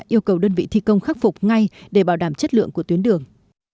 yêu cầu đơn vị thi công khắc phục ngay để bảo đảm chất lượng của tuyến đường